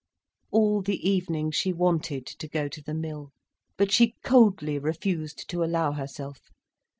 All the evening she wanted to go to the Mill. But she coldly refused to allow herself.